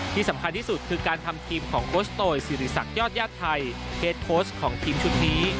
ที่สำคัญที่สุดคือการทำทีมของโคชโตยสิริษักยอดญาติไทยเฮดโค้ชของทีมชุดนี้